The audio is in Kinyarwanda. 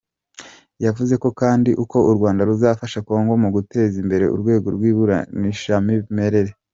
Yavuze kandi ko u Rwanda ruzafasha Congo mu guteza imbere urwego rw’ibarurishamibare.